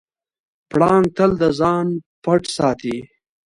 پړانګ تل د ځان پټ ساتي.